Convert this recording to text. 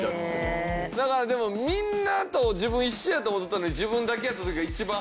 だからでもみんなと自分一緒やと思ったのに自分だけやった時が一番恥ずい。